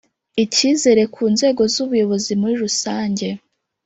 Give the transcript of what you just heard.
icyizere ku nzego z ubuyobozi muri rusange